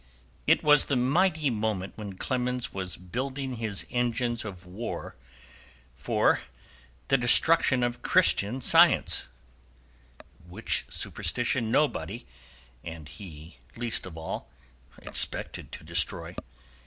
It was the mighty moment when Clemens was building his engines of war for the destruction of Christian Science, which superstition nobody, and he least of all, expected to destroy.